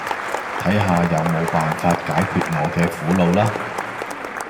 睇下有冇辦法解決我嘅苦惱啦